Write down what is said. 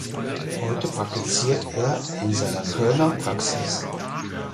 Heute praktiziert er in seiner Kölner Praxis.